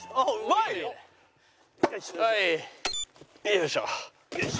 よいしょっ。